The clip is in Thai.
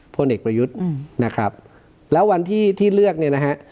พลเอกประยุทธ์นะครับแล้ววันที่ที่เลือกเนี่ยนะฮะ